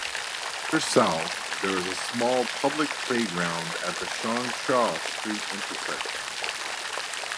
Further south, there is a small public playground at the Changsha Street intersection.